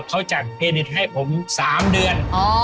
เขาจัดเครดิตให้ผม๓เดือน